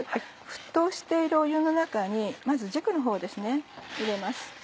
沸騰している湯の中にまず軸のほうですね入れます。